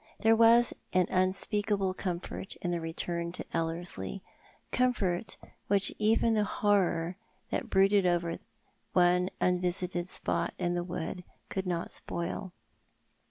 There was unspeakable comfort in the return to Ellerslie, comfort which even the horror that brooded over one unvisitcd spot in the wood could not spoil.